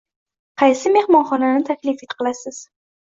Qaysi mehmonxonani taklif qilasiz?